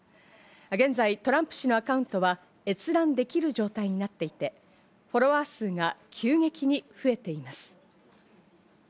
現在、トランプ氏のアカウントは閲覧できる状態になっていて、フォロワー数が急激に増えています。